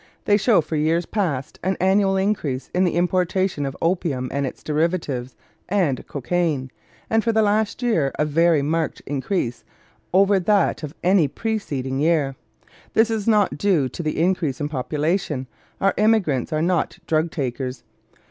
They show for years past an annual increase in the importation of opium and its derivatives and cocaine, and for last year a very marked increase over that of any preceding year. This is not due to the increase in population; our immigrants are not drug takers.